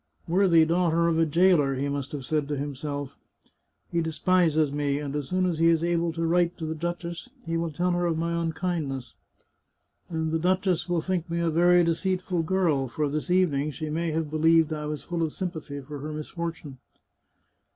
' Worthy daughter of a jailer,' he must have said to himself. He despises me, and as soon as he is able to write to the duchess he will tell her of my unkindness, and the duchess will think me a very 287 The Chartreuse of Parma deceitful girl, for this evening she may have believed I was full of sympathy for her misfortune."